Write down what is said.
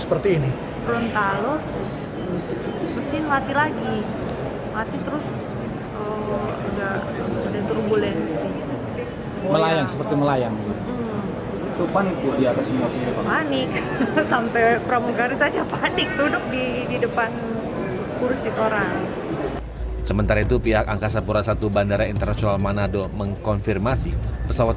sementara itu pihak angkasa pura satu bandara internasional manado mengkonfirmasi pesawat